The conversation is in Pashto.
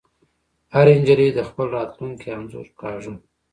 هرې نجلۍ د خپل راتلونکي انځور کاږه